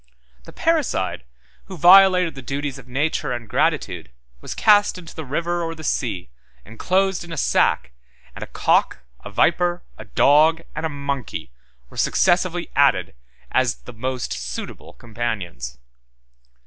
174 The parricide, who violated the duties of nature and gratitude, was cast into the river or the sea, enclosed in a sack; and a cock, a viper, a dog, and a monkey, were successively added, as the most suitable companions.